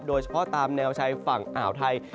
โดยเฉพาะตามแนวช่วยฝั่งอาวุธัย